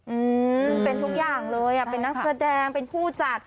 อืมเป็นทุกอย่างเลยอ่ะเป็นนักแสดงเป็นผู้จัด